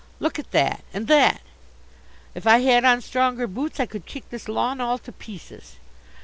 Look at that, and that! If I had on stronger boots I could kick this lawn all to pieces."